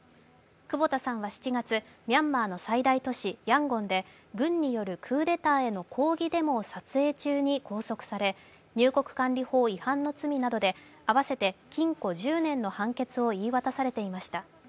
久保田さんは７月、ミャンマーの最大都市・ヤンゴンで軍によるクーデターへの抗議デモを撮影中に拘束され入国管理法違反の罪などで合わせて禁錮１０年の判決を言い渡されていました。